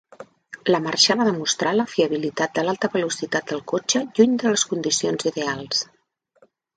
La marxa va demostrar la fiabilitat de l'alta velocitat del cotxe lluny de les condicions ideals.